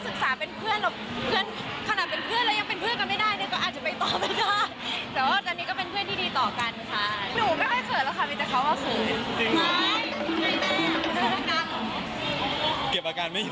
ศึกษากันเพื่อนที่จะร่วมงานกันไงครับ